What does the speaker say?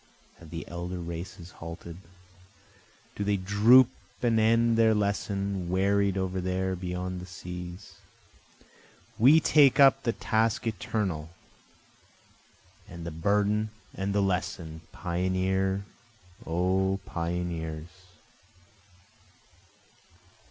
Have the elder races halted? Do they droop and end their lesson, wearied over there beyond the seas? We take up the task eternal, and the burden and the lesson, Pioneers! O pioneers!